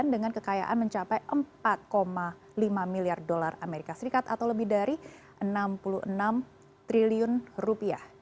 dengan kekayaan mencapai empat lima miliar dolar amerika serikat atau lebih dari enam puluh enam triliun rupiah